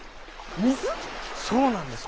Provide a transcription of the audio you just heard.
そうなんです。